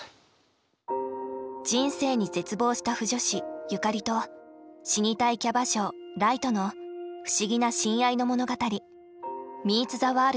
人生に絶望した腐女子由嘉里と死にたいキャバ嬢ライとの不思議な親愛の物語「ミーツ・ザ・ワールド」。